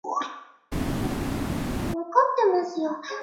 其时喃迦巴藏卜已卒。